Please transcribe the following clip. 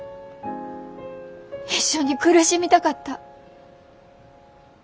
一緒に苦しみたかった。